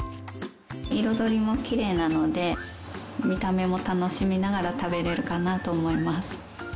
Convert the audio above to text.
彩りもきれいなので見た目も楽しみながら食べられるかなと思います。